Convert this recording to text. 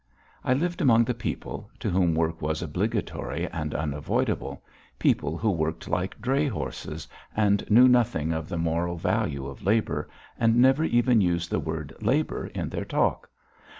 I lived among the people, to whom work was obligatory and unavoidable, people who worked like dray horses, and knew nothing of the moral value of labour, and never even used the word "labour" in their talk.